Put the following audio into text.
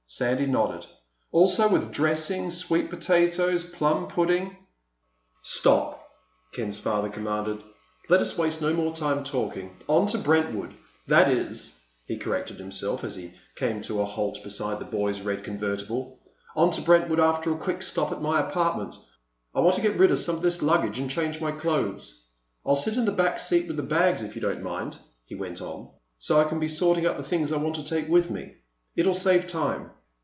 Sandy nodded. "Also with dressing, sweet potatoes, plum pudding—" "Stop!" Ken's father commanded. "Let us waste no more time talking. On to Brentwood! That is," he corrected himself, as he came to a halt beside the boys' red convertible, "on to Brentwood after a quick stop at my apartment. I want to get rid of some of this luggage and change my clothes. I'll sit in the back seat with the bags, if you don't mind," he went on, "so I can be sorting out the things I want to take with me. It'll save time."